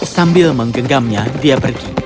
sambil menggenggamnya dia pergi